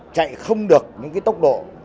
chạy không được những cái tốc độ